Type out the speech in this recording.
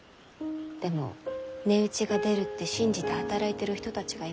でも値打ちが出るって信じて働いてる人たちがいます。